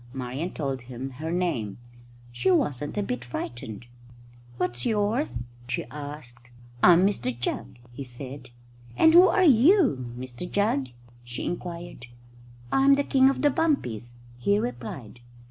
Marian told him her name. She wasn't a bit frightened. "What's yours?" she asked. "I'm Mr Jugg," he said. "And who are you, Mr Jugg?" she inquired. "I'm the King of the Bumpies," he replied.